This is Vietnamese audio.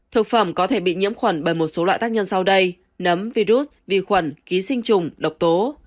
thực phẩm có thể bị nhiễm khuẩn bởi một số loại tác nhân sau đây nấm virus vi khuẩn ký sinh trùng độc tố